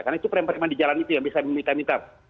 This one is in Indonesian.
karena itu preman di jalan itu yang bisa diminta minta